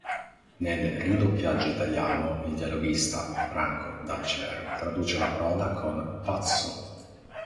Nel ridoppiaggio italiano, il dialoghista Franco Dal Cer traduce la parola con "pazzo".